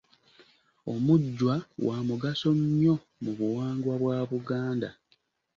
Omujjwa wa mugaso nnyo mu buwangwa bwa buganda.